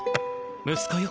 息子よ。